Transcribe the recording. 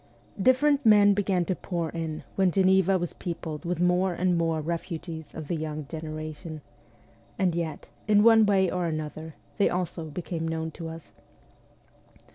Different men began to pour in when Geneva was peopled with more and more refugees of the young generation ; and yet, in one way or another, they also became known to us.